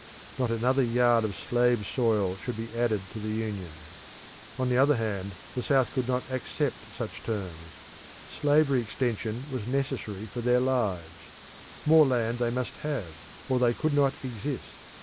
Not another yard of slave soil should be added to the Union. On the other hand, the South could not accept such terms. Slavery extension was necessary for their lives. More land they must have or they could not exist.